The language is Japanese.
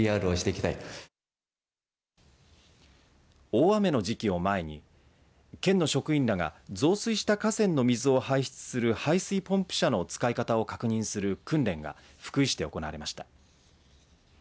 大雨の時期を前に県の職員らが増水した河川の水を排出する排水ポンプ車の使い方を確認する訓練が福井市で行われました。